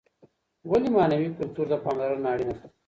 ولي معنوي کلتور ته پاملرنه اړينه ده؟